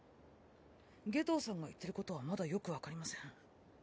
夏油さんが言ってることはまだよく分かりません。